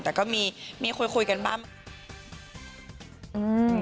แต่ก็มีคุยกันบ้าง